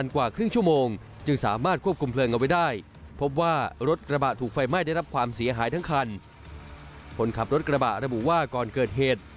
คนขับรถกระบะระบุว่าก่อนเกิดเหตุ